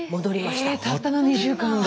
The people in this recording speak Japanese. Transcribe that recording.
えたったの２週間で？